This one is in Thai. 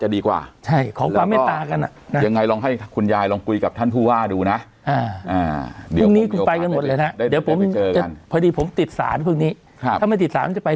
เรากุยกับท่านผู้ว่าดูนะ